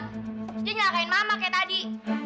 terus dia nyalakain mama kayak tadi